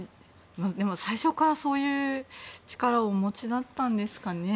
でも、最初からそういう力をお持ちだったんですかね。